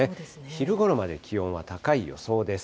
昼ごろまで気温は高い予想です。